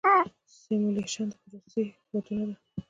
سیمولیشن د پروسې ښودنه ده.